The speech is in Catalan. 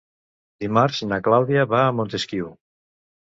Dimarts na Clàudia va a Montesquiu.